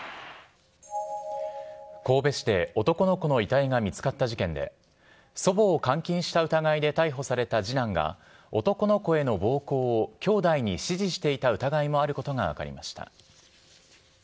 神戸市で男の子の遺体が見つかった事件で、祖母を監禁した疑いで逮捕された次男が、男の子への暴行をきょうだいに指示した疑いもあることが分かりました。